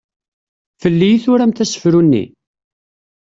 Fell-i i turamt asefru-nni?